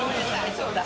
そうだ。